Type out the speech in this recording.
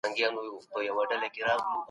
نبي کریم د مظلومانو ملاتړ کاوه.